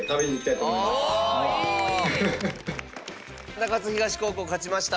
中津東高校勝ちました。